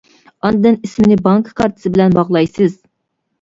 ئاندىن ئىسىمنى بانكا كارتىسى بىلەن باغلايسىز.